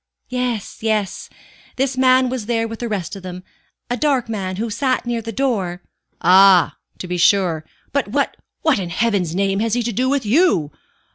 "Yes, yes; this man was there with the rest of us. A dark man, who sat near the door " "Ah, to be sure. But what what in Heaven's name has he to do with you?